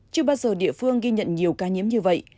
chưa bao giờ địa phương ghi nhận nhiều ca nhiễm như vậy